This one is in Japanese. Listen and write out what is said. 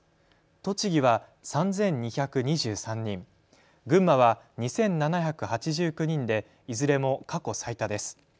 栃木は３２２３人、群馬は２７８９人でいずれも過去最多です。